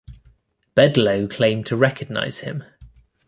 Bedloe claimed to recognize him.